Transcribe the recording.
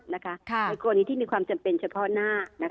ในกรณีที่มีความจำเป็นเฉพาะหน้า